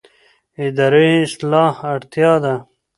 اداري اصلاح اړتیا ده